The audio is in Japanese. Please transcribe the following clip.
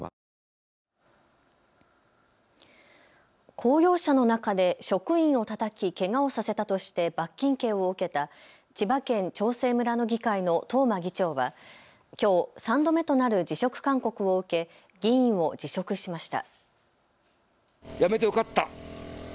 公用車の中で職員をたたきけがをさせたとして罰金刑を受けた千葉県長生村の議会の東間議長はきょう３度目となる辞職勧告を受け議員を辞職しました。